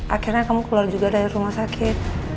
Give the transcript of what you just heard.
akhirnya kamu keluar juga dari rumah sakit